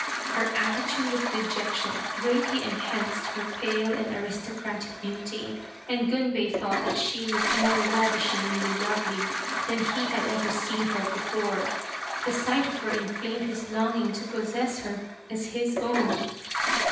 Her attitude of dejection greatly enhanced her pale and aristocratic beauty, and Gunbei thought that she looked more ravishingly lovely than he had ever seen her before. The sight of her inflamed his longing to possess her as his own.